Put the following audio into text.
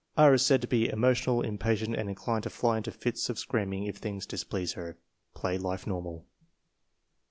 is said to be emo tional, impatient, and inclined to fly into fits of screaking if things displease her. Play life normal.